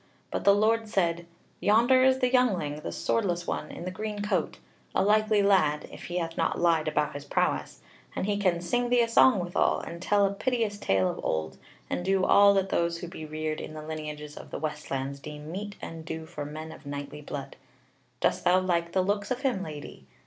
But the Lord said: "Yonder is the youngling, the swordless one in the green coat; a likely lad, if he hath not lied about his prowess; and he can sing thee a song withal, and tell a piteous tale of old, and do all that those who be reared in the lineages of the westlands deem meet and due for men of knightly blood. Dost thou like the looks of him, lady!